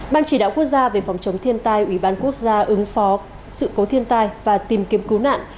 ban chỉ đạo quốc gia về phòng chống thiên tai ủy ban quốc gia ứng phó sự cố thiên tai và tìm kiếm cứu nạn